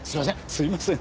「すいません」